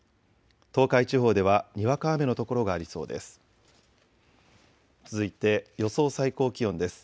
東海地方ではにわか雨の所がありそうです。